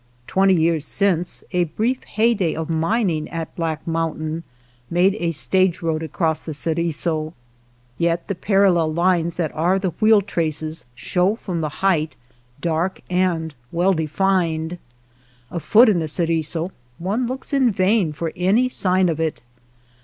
Twenty years since, a brief hey day of mining at Black Mountain made a stage road across the Ceriso, yet the par allel lines that are the wheel traces show from the height dark and well defined. Afoot in the Ceriso one looks in vain for any sign of it.